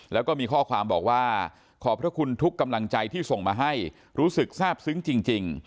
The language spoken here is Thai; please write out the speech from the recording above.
แล้วก็มีข้อความบอกว่าขอบพระคุณทุกกำลังใจที่ส่งมาให้รู้สึกทราบซึ้งจริง